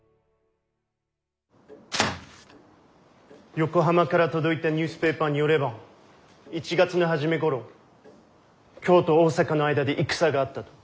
横浜から届いたニュースペーパーによれば１月の初めごろ京と大坂の間で戦があったと。